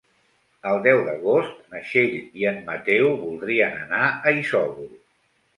El deu d'agost na Txell i en Mateu voldrien anar a Isòvol.